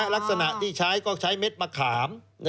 ลักษณะที่ใช้ก็ใช้เม็ดมะขาม